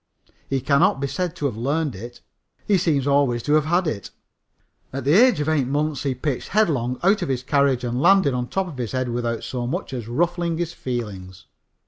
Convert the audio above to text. He cannot be said to have learned it. He seems always to have had it. At the age of eight months he pitched headlong out of his carriage and landed on top of his head without so much as ruffling his feelings.